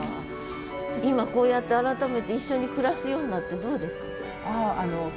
今こうやって改めて一緒に暮らすようになってどうですか？